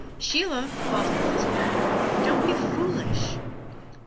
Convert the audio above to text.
"Sheila," called her husband, "don't be foolish!"